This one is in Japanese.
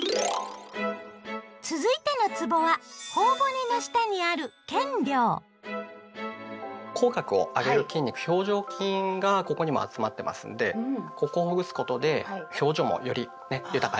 続いてのつぼはほお骨の下にある口角を上げる筋肉表情筋がここにも集まってますんでここをほぐすことで表情もよりね豊かに。